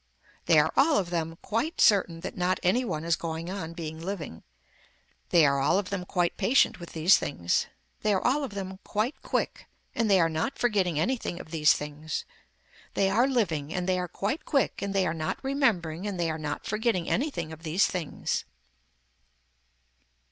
They are all of them quite certain that not any one is going on being living. They are all of them quite patient with these things. They are all of them quite quick and they are not forgetting anything of these things. They are living and they are quite quick and they are not remembering and they are not forgetting anything of these things.